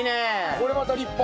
これまた立派。